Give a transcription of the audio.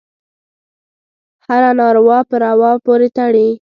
هره ناروا په روا پورې تړي.